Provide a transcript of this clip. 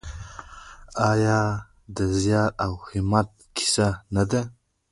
آیا د زیار او همت کیسه نه ده؟